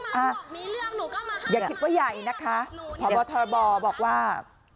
อ่ะอย่าคิดว่าใหญ่นะคะพบทรบบอกว่า